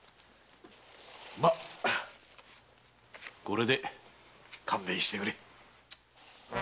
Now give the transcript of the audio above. まあこれで勘弁してくれ。